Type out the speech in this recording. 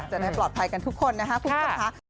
จะได้ปลอดภัยกันทุกคนนะครับคุณผู้ชมค่ะ